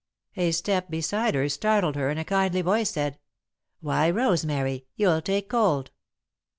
A step beside her startled her and a kindly voice said: "Why, Rosemary! You'll take cold!"